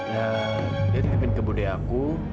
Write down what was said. ya dia dipin ke budaya aku